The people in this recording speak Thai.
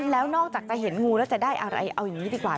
แล้วนอกจากจะเห็นงูแล้วจะได้อะไรเอาอย่างนี้ดีกว่า